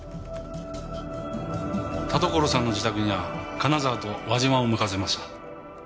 田所さんの自宅には金沢と輪島を向かわせました。